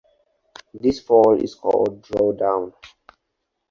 This fall is called drawdown.